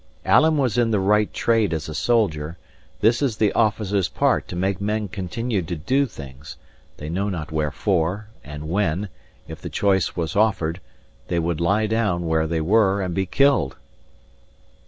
Alan was in the right trade as a soldier; this is the officer's part to make men continue to do things, they know not wherefore, and when, if the choice was offered, they would lie down where they were and be killed.